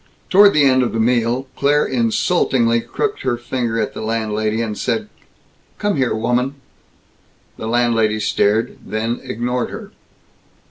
Toward the end of the meal Claire insultingly crooked her finger at the landlady and said, "Come here, woman." The landlady stared, then ignored her.